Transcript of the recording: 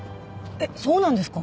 えっそうなんですか？